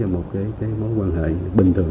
mối quan hệ bình thường